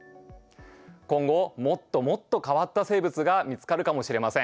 今後もっともっと変わった生物が見つかるかもしれません。